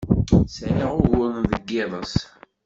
Sɛiɣ uguren d yiḍes.